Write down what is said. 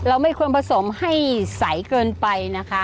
ไม่ควรผสมให้ใสเกินไปนะคะ